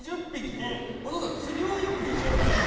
◆お父さん、釣りは、よく行かれるんですか。